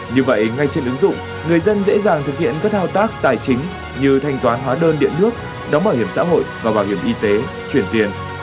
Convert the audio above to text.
như vậy ngay trên ứng dụng người dân dễ dàng thực hiện các thao tác tài chính như thanh toán hóa đơn điện nước đóng bảo hiểm xã hội và bảo hiểm y tế chuyển tiền